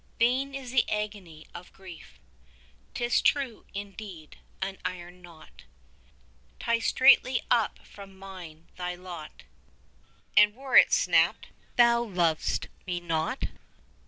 5 Vain is the agony of grief. 'Tis true, indeed, an iron knot Ties straitly up from mine thy lot, And were it snapt thou lov'st me not!